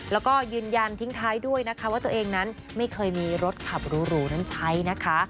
แล้วก็ยืนยันทิ้งท้ายด้วยนะคะว่าตัวเองนั้นไม่เคยมีรถขับหรูนั้นใช้นะคะ